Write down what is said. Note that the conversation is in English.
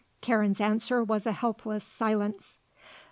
Karen's answer was a helpless silence.